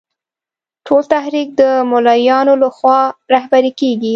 ټول تحریک د مولویانو له خوا رهبري کېږي.